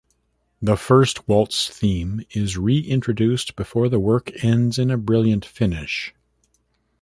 The first waltz theme is re-introduced before the work ends in a brilliant finish.